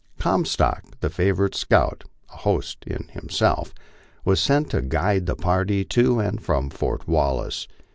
Com stock, the favorite scout, a host in himself, was sent to guide the party to and from Fort Wallace.